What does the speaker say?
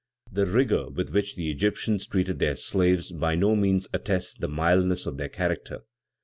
The rigor with which the Egyptians treated their slaves by no means attests the mildness of their character.